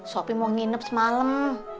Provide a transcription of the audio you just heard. sopi mau nginep semalem